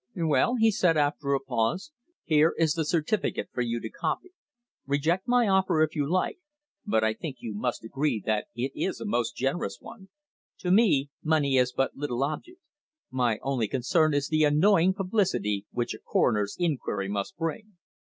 "Well," he said, after a pause. "Here is the certificate for you to copy. Reject my offer if you like; but I think you must agree that it is a most generous one. To me, money is but little object. My only concern is the annoying publicity which a coroner's inquiry must bring."